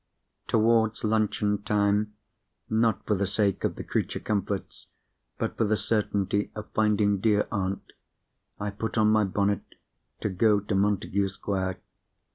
Towards luncheon time—not for the sake of the creature comforts, but for the certainty of finding dear aunt—I put on my bonnet to go to Montagu Square.